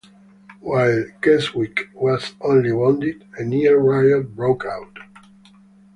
While Keswick was only wounded, a near riot broke out.